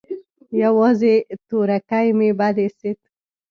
يوازې تورکى مې بد اېسېد.